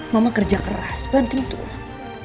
mama kerja keras bantuin tuhan